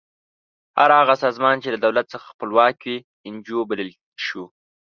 هر هغه سازمان چې له دولت څخه خپلواک وي انجو بللی شو.